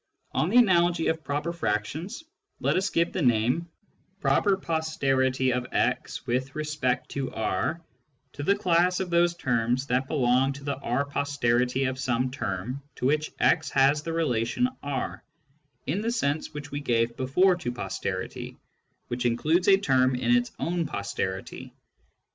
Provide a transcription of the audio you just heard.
On the analogy of " proper fractions," let us give the name " proper posterity of x with respect to R " to the class of those terms that belong to the R posterity of some term to which x has the relation R, in the sense which we gave before to " posterity," which includes a term in its own posterity.